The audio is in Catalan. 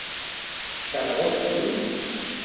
De debò escrius?